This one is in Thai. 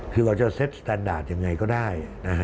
คือเราจะเซ็ตสแตนดาร์ดอย่างไรก็ได้